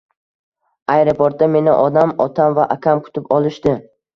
Aeroportda meni onam otam va akam kutib olishdi.